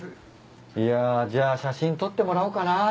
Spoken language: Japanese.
いやじゃあ写真撮ってもらおうかな。